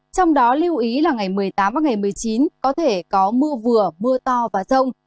trong đó lưu ý là ngày một mươi tám và ngày một mươi chín có thể có mưa vừa mưa to và rông